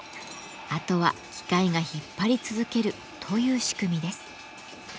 あとは機械が引っ張り続けるという仕組みです。